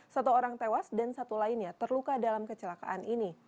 satu orang tewas dan satu lainnya terluka dalam kecelakaan ini